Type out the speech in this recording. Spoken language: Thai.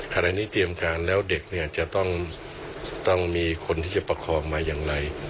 ขณะนี้เตรียมการแล้วเด็กเนี่ยจะต้องมีคนที่จะประคองมาอย่างไร